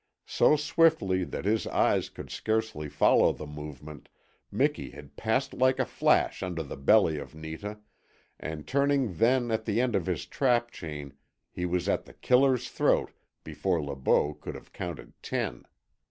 So swiftly that his eyes could scarcely follow the movement, Miki had passed like a flash under the belly of Netah, and turning then at the end of his trap chain he was at The Killer's throat before Le Beau could have counted ten.